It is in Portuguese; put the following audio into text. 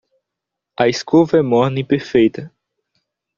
A escova é morna e perfeita